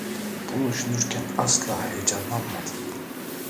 Bunu düşünürken asla heyecanlanmadı.